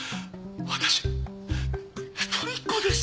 私一人っ子でして。